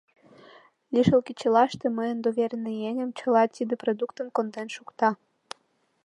Лишыл кечылаште мыйын доверенный еҥем чыла тиде продуктым конден шукта.